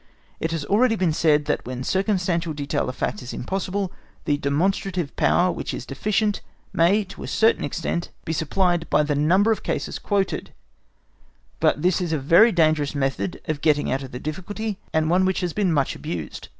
It has been already said that when a circumstantial detail of facts is impossible, the demonstrative power which is deficient may to a certain extent be supplied by the number of cases quoted; but this is a very dangerous method of getting out of the difficulty, and one which has been much abused.